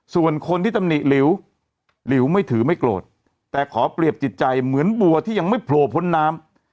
ส่วนคนที่ตำหนิหลิวหลิวไม่ถือไม่โกรธแต่ขอเปรียบจิตใจเหมือนบัวที่ยังไม่โผล่พ้นน้ำ